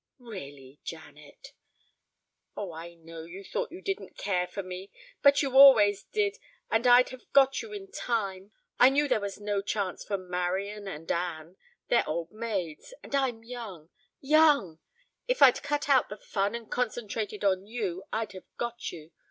"Really, Janet." "Oh, I know, you thought you didn't care for me, but you always did, and I'd have got you in time. I knew there was no chance for Marian and Anne; they're old maids, and I'm young young. If I'd cut out the fun and concentrated on you I'd have got you.